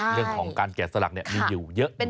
เรื่องของการแก่สลักเนี่ยมีอยู่เยอะอยู่เหมือนกันนะครับ